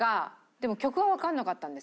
でも曲はわからなかったんです。